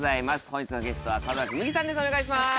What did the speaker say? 本日のゲストは門脇麦さんです